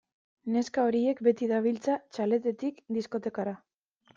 Neska horiek beti dabiltza txaletetik diskotekara.